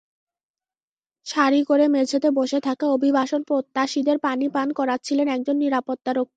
সারি করে মেঝেতে বসে থাকা অভিবাসন প্রত্যাশীদের পানি পান করাচ্ছিলেন একজন নিরাপত্তা রক্ষী।